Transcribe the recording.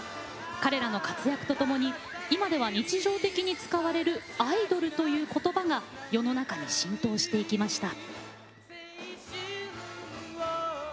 彼らの活躍とともに今では日常的に使われるアイドルということばが世の中に浸透していきました。